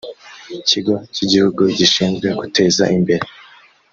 kigo cy igihugu gishinzwe guteza imbere